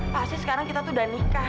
pasti sekarang kita tuh udah nikah